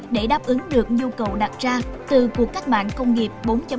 để đáp ứng được nhu cầu đặt ra từ cuộc cách mạng công nghiệp bốn